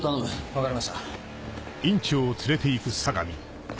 分かりました。